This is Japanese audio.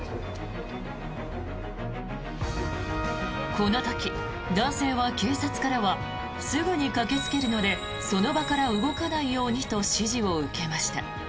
この時、男性は警察からはすぐに駆けつけるのでその場から動かないようにと指示を受けました。